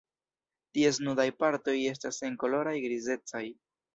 Ties nudaj partoj estas senkoloraj grizecaj.